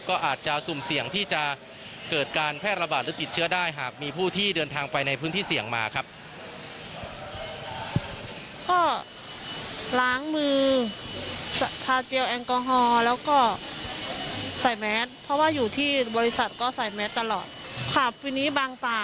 ก็อาจจะสุ่มเสี่ยงที่จะเกิดการแพร่ระบาดหรือติดเชื้อได้หากมีผู้ที่เดินทางไปในพื้นที่เสี่ยงมาครับ